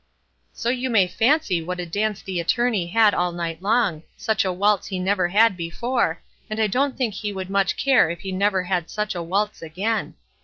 So you may fancy what a dance the Attorney had all night long; such a waltz he never had before, and I don't think he would much care if he never had such a waltz again.